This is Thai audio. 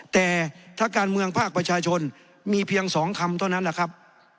แต่ถ้าการเมืองภาคประชาชนมีเพียง๒คำเท่านั้นแหละครับ